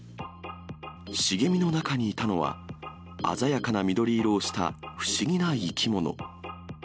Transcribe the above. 茂みの中にいたのは、鮮やかな緑色をした不思議な生き物。